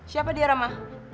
siapa dia rama